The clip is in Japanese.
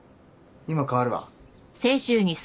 今代わるわ。